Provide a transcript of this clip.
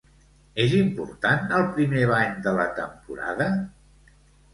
És important el primer bany de la temporada?